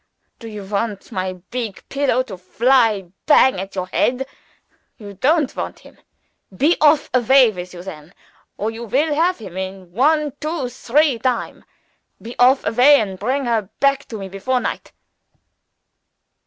Do you want my big pillow to fly bang at your head? You don't want him? Be off away with you then, or you will have him in one two three time! Be off away and bring her back to me before night!"